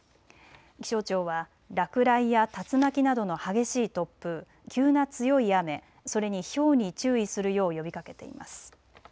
気象庁は落雷や竜巻などの激しい突風、急な強い雨、それにひょうに注意するよう呼びかけています。